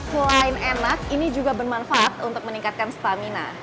selain enak ini juga bermanfaat untuk meningkatkan stamina